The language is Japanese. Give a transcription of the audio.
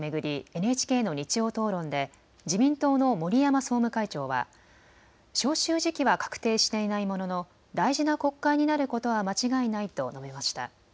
ＮＨＫの日曜討論で自民党の森山総務会長は召集時期は確定していないものの大事な国会になることは間違いないと述べました。